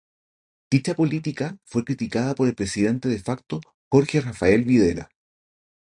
Dicha política fue criticada por el presidente de facto Jorge Rafael Videla.